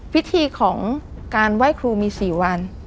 พิธีของการไหว้ครูมี๔วัน